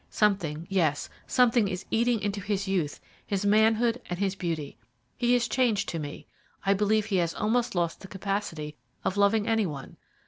Something, yes, something is eating into his youth, his manhood, and his beauty. He is changed to me I believe he has almost lost the capacity of loving any one.